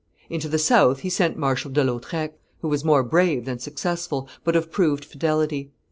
Into the south he sent Marshal de Lautrec, who was more brave than successful, but of proved fidelity.